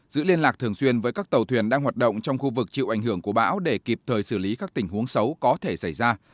giữ liên lạc thường xuyên với các tàu thuyền đang hoạt động trong khu vực chịu ảnh hưởng của bão để kịp thời xử lý các tình huống xấu có thể xảy ra